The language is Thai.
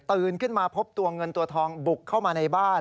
ขึ้นมาพบตัวเงินตัวทองบุกเข้ามาในบ้าน